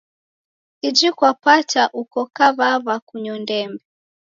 Iji kwapata uko kuw'aw'a kunyo ndembe.